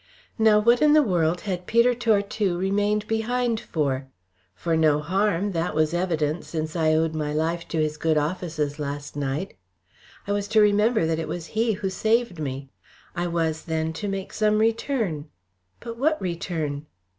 Now what in the world had Peter Tortue remained behind for? For no harm, that was evident, since I owed my life to his good offices last night. I was to remember that it was he who saved me. I was, then, to make some return. But what return?